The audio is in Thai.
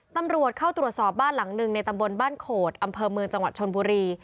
ตำรวจเข้าตรวจสอบบ้านหลังหนึ่งในตำบลบ้านโขดอำเภอเมืองจังหวัดชนบุรี